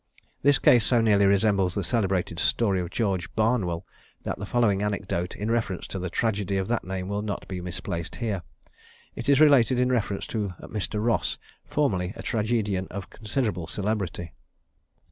This case so nearly resembles the celebrated story of George Barnwell, that the following anecdote in reference to the tragedy of that name will not be misplaced here. It is related in reference to Mr. Ross, formerly a tragedian of considerable celebrity.